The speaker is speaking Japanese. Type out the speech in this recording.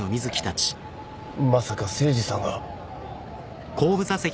まさか誠司さんが。